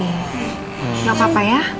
gak apa apa ya